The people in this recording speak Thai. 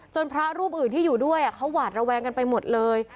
พระรูปอื่นที่อยู่ด้วยเขาหวาดระแวงกันไปหมดเลย